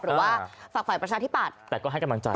หรือว่าฝากฝ่ายประชาธิปัตย์แต่ก็ให้กำลังใจ